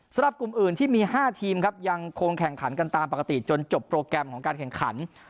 สำหรับกลุ่มอื่นที่มี๕ทีมครับยังคงแข่งขันกันตามปกติจนจบโปรแกรมของการแข่งขัน